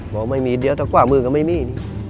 บอกไม่มีเดี๋ยวถ้าขวามือก็ไม่มี